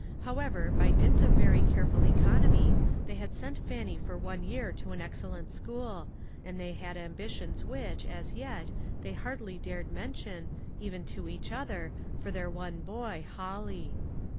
How ever, by dint of very careful economy they had sent Fannie for one year to an excel lent school, and they had ambitions which, as yet, they hardly dared mention, even to each other, for their one boy, Holly.